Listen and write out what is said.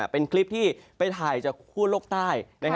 เป็นคลิปที่ไปถ่ายจากคั่วโลกใต้